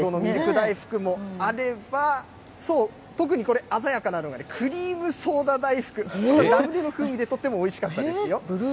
大福もあれば、そう、特にこれ、鮮やかなのがクリームソーダ大福、ラムネの風味でとってもおいしかったです。